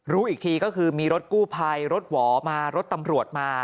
รู้อีกทีก็คือมีรถกู้ภัยรถหวอมารถตำรวจมา